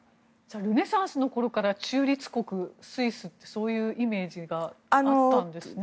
ルネサンスの時から中立国、スイスというそういうイメージがあったんですね。